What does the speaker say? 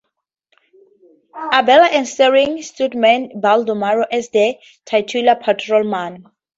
Abella and starring stuntman Baldo Marro as the titular patrolman.